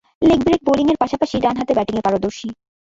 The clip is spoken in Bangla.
লেগ ব্রেক বোলিংয়ের পাশাপাশি ডানহাতে ব্যাটিংয়ে পারদর্শী।